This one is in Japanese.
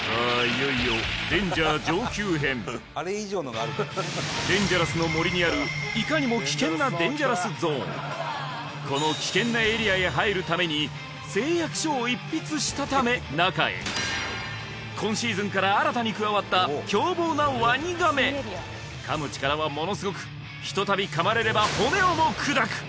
いよいよデンジャー上級編デンジャラスの森にあるいかにも危険なデンジャラスゾーンこの危険なエリアへ入るために誓約書を一筆したため中へ今シーズンから新たに加わった凶暴なワニガメ噛む力はものすごくひとたび噛まれれば骨をも砕く！